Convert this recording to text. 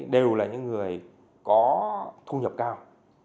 đều là những người có thu nhập cao